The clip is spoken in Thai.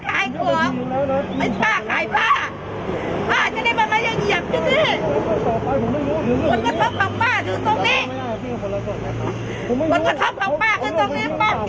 คนกระทบของป้าถือตรงนี้ป้าเกียรติอะไรวะป้าเกียรติใครเกียรติ